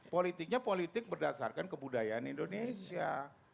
politiknya politik berdasarkan kebudayaan indonesia